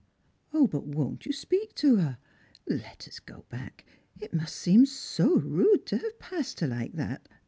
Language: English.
" But won't you speak to her P Let us go back. It must seem so rude to have passed her like that.